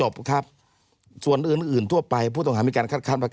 หนึ่งหนสันสอง